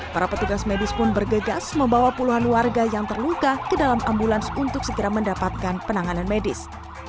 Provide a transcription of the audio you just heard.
para petugas medis pun bergegas membawa puluhan warga yang terluka ke dalam ambulans untuk segera mendapatkan penanganan medis